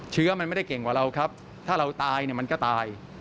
เชื้อมันไม่ได้เก่งกว่าเราครับถ้าเราตายเนี่ยมันก็ตาย